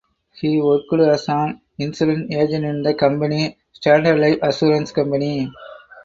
He worked as an insurance agent in the company "Standard Life Assurance Company".